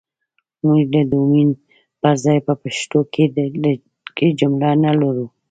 موږ ده ډومين پر ځاى په پښتو کې که جمله نه لرو